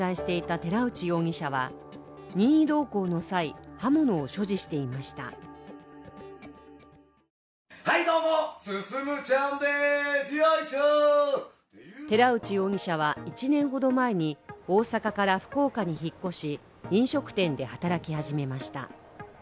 寺内容疑者は１年ほど前に大阪から福岡に引っ越し飲食店で働き始めました。